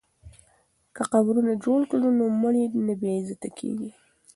که قبرونه جوړ کړو نو مړي نه بې عزته کیږي.